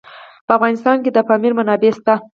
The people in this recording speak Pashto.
په افغانستان کې د پامیر منابع شته.